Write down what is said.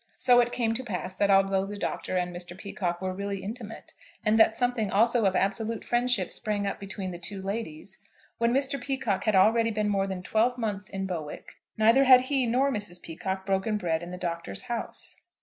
So it came to pass that although the Doctor and Mr. Peacocke were really intimate, and that something of absolute friendship sprang up between the two ladies, when Mr. Peacocke had already been more than twelve months in Bowick neither had he nor Mrs. Peacocke broken bread in the Doctor's house.